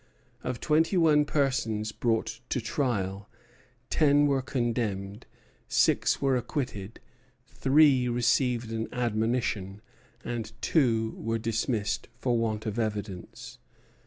Of twenty one persons brought to trial ten were condemned, six were acquitted, three received an admonition, and two were dismissed for want of evidence.